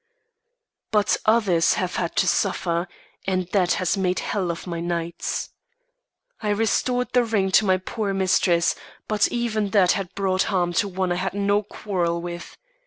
But others have had to suffer, and that has made hell of my nights. I restored the ring to my poor mistress; but even that brought harm to one I had no quarrel with.